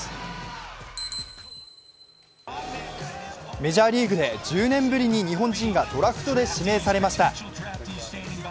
メジャーリーグで１０年ぶりに日本人がドラフトで指名されました。